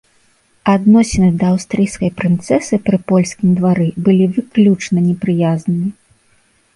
Адносіны да аўстрыйскай прынцэсы пры польскім двары былі выключна непрыязнымі.